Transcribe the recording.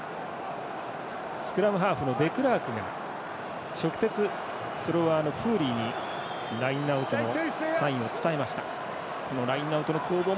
スクラムハーフのデクラークが直接、スローワーのフーリーにラインアウトのサインを伝えました。